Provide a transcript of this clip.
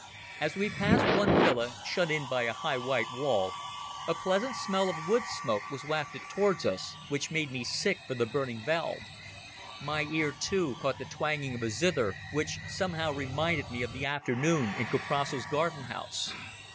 As we passed one villa, shut in by a high white wall, a pleasant smell of wood smoke was wafted towards us, which made me sick for the burning veld. My ear, too, caught the twanging of a zither, which somehow reminded me of the afternoon in Kuprasso's garden house.